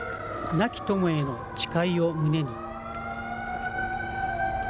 亡き友への誓いを胸に。